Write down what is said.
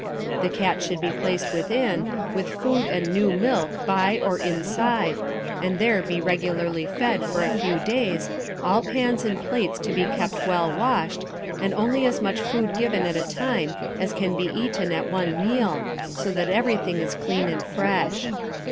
The cat should be placed within, with food and new milk by or inside, and there be regularly fed for a few days, all pans and plates to be kept well washed, and only as much food given at a time as can be eaten at one meal, so that everything is clean and fresh.